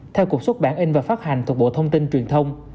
theo cuộc xuất bản in và phát hành thuộc bộ thông tin truyền thông